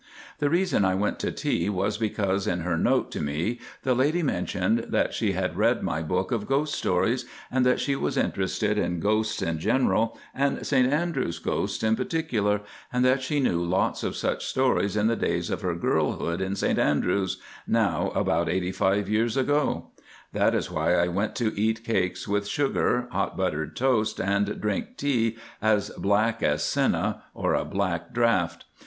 The reason I went to tea was because in her note to me the lady mentioned that she had read my book of ghost tales, and that she was interested in ghosts in general and St Andrews ghosts in particular, and that she knew lots of such stories in the days of her girlhood in St Andrews, now about 85 years ago. That is why I went to eat cakes with sugar, hot buttered toast, and drink tea as black as senna or a black draught.